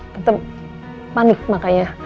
tante panik makanya